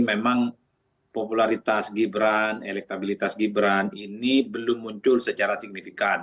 memang popularitas gibran elektabilitas gibran ini belum muncul secara signifikan